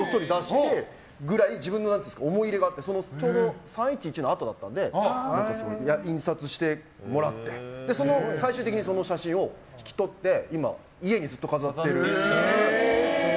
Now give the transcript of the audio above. それくらい自分で思い入れがあってちょうど３・１１のあとだったので印刷してもらって最終的にその写真を引き取って今、家にずっと飾ってる。